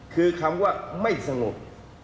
คือคำว่าไม่สงบ